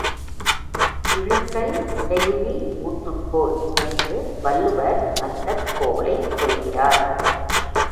இழுக்கல் உடையுழி ஊற்றுக்கோல் என்று வள்ளுவர் அந்தக் கோலைச் சொல்கிறார்.